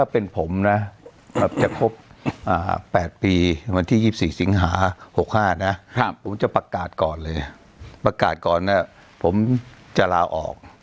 ประการล่ะผมจะลาออก